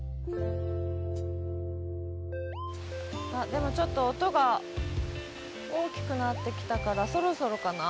でも、ちょっと音が大きくなってきたから、そろそろかな。